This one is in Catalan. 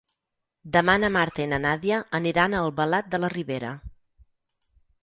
Demà na Marta i na Nàdia aniran a Albalat de la Ribera.